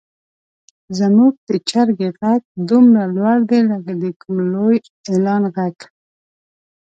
زموږ د چرګې غږ دومره لوړ دی لکه د کوم لوی اعلان غږ.